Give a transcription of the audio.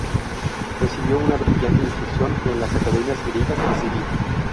Recibió una brillante instrucción en las academias griegas de Siria.